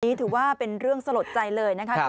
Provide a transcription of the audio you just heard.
ถือว่าเป็นเรื่องสลดใจเลยนะคะ